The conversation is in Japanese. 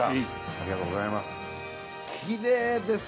ありがとうございます。